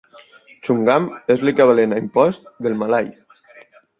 "Chungam" és l'equivalent a "impost" del malai.